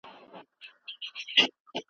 هغه د موټر ښیښه په پوره دقت سره پاکه کړې وه.